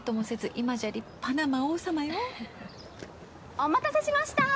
お待たせしました。